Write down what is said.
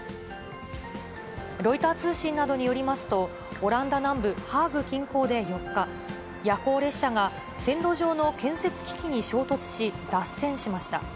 ロイター通信などによりますと、オランダ南部ハーグ近郊で４日、夜行列車が、線路上の建設機器に衝突し、脱線しました。